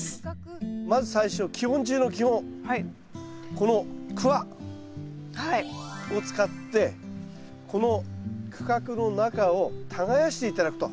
このクワを使ってこの区画の中を耕して頂くと。